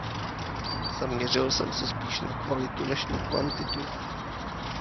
Zaměřil jsem se spíš na kvalitu než na kvantitu.